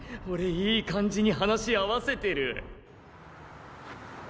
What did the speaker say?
おれいい感じに話合わせてる。